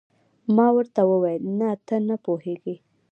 ما ورته وویل: نه، ته نه پوهېږې.